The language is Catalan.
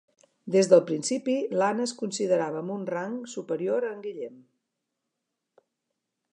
Des del principi, l'Anna es considerava amb un rang superior a en Guillem.